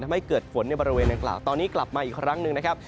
ทำให้เกิดฝนในบริเวณดังกล่าวตอนนี้กลับมาอีกครั้งหนึ่งนะครับ